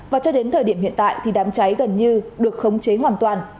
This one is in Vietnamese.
và cho đến thời điểm hiện tại thì đám cháy gần như được khống chế hoàn toàn